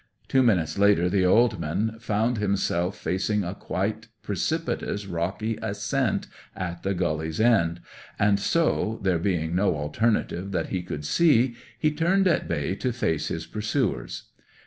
Two minutes later the old man found himself facing a quite precipitous rocky ascent at the gully's end, and so, there being no alternative that he could see, he turned at bay to face his pursuers.